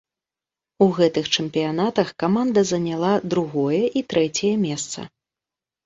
У гэтых чэмпіянатах каманда заняла другое і трэцяе месца.